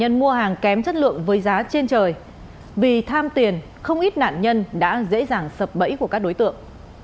các đối tượng đã ép nạn nhân mua hàng kém chất lượng với giá trên trời vì tham tiền không ít nạn nhân đã dễ dàng sập bẫy của các đối tượng